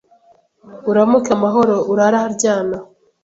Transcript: uramuke amahoro; urare aharyana,